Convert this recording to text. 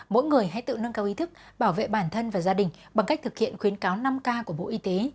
mỗi người hãy tự nâng cao ý thức bảo vệ bản thân và gia đình bằng cách thực hiện khuyến cáo năm k của bộ y tế